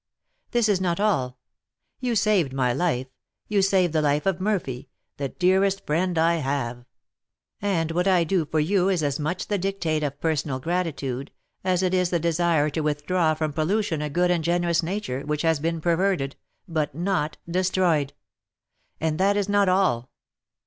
This is not all; you saved my life, you saved the life of Murphy, the dearest friend I have; and what I do for you is as much the dictate of personal gratitude as it is the desire to withdraw from pollution a good and generous nature, which has been perverted, but not destroyed. And that is not all."